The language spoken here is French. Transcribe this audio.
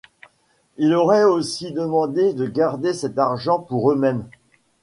Ils auraient aussi demandé de garder cet argent pour eux-mêmes.